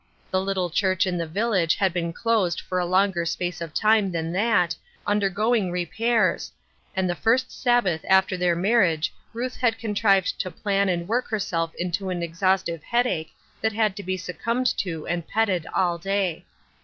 The little church in the village had been closed for a longer space of time than that, undergoing repairs, and the first Sabbath after their mar riage Ruth had contrived to plan and work her self into an exhaustive headache that had to be succumbed to and petted all day.